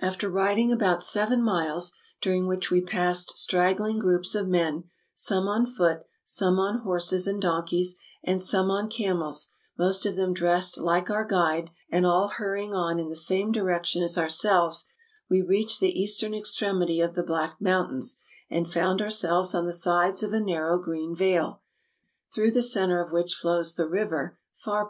After riding about seven miles, during which we passed straggling groups of men — some on foot, some on horses and donkeys, and some on camels, most of them dressed like our guide, and all hurrying on in the same direction as ourselves — we reached the eastern extremity of the Black Mountains, and found ourselves on the sides of a narrow green vale, through the center of which flows the river Pharpar.